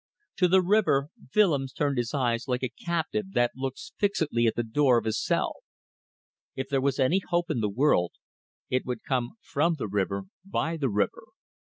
To the river Willems turned his eyes like a captive that looks fixedly at the door of his cell. If there was any hope in the world it would come from the river, by the river.